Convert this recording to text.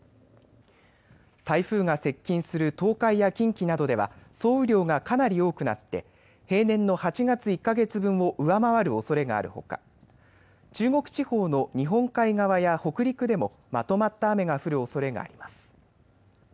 台風が接近する東海や近畿などでは総雨量がかなり多くなって平年の８月１か月分を上回るおそれがあるほか中国地方の日本海側や北陸でもまとまった雨が降るおそれがあります。